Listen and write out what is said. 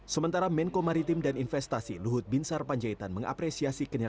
sementara menko maritim dan investasi luhut binsar panjaitan mengapresiasi